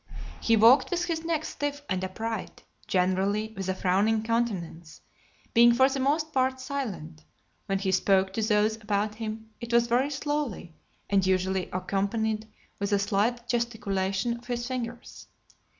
He walked with his neck stiff and upright: generally with a frowning countenance, being for the most part silent: when he spoke to those about him, it was very slowly, and usually accompanied with a slight gesticulation of his fingers.